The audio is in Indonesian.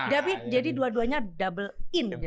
tapi jadi dua duanya double in